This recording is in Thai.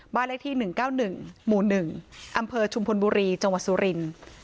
บ้านเลขที่หนึ่งเก้าหนึ่งหมู่หนึ่งอำเภอชุมพลบุรีจังหวัดสุรินต์